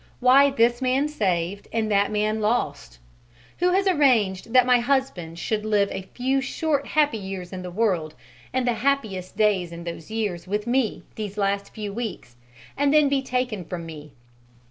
Why this man saved and that man lost? Who has arranged that my husband should live a few short happy years in the world, and the happiest days in those years with me these last few weeks, and then be taken from me?"